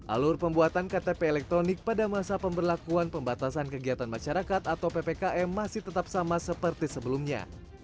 alur pembuatan ktp elektronik pada masa pemberlakuan pembatasan kegiatan masyarakat atau ppkm masih tetap sama seperti sebelumnya